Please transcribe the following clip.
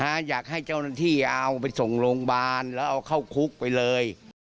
หาอยากให้เจ้านัทธิเขาไปส่งโรงบาทเข้าคุกไปเลย